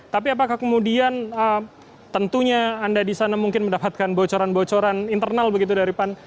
tapi apakah kemudian tentunya anda di sana mungkin mendapatkan bocoran bocoran internal begitu dari pan